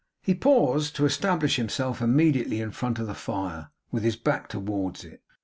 He paused to establish himself immediately in front of the fire with his back towards it.